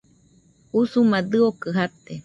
Usuma dɨokɨ jate.